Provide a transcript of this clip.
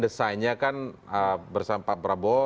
desainnya kan bersama pak prabowo